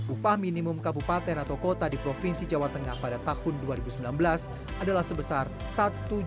upah minimum kabupaten atau kota di provinsi jawa tengah pada tahun dua ribu sembilan belas adalah sebesar rp satu enam ratus sepuluh